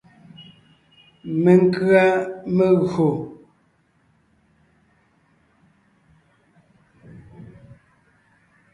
Menkʉ̀a megÿò.